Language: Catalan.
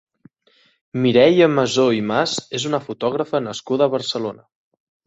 Mireya Masó i Mas és una fotògrafa nascuda a Barcelona.